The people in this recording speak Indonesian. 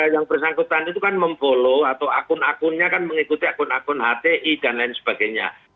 yang bersangkutan itu kan memfollow atau akun akunnya kan mengikuti akun akun hti dan lain sebagainya